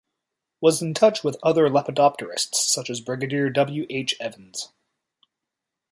Was in touch with other lepidopterists such as Brigadier W. H. Evans.